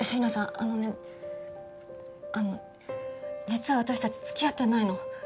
あのねあの実は私たち付き合ってないの。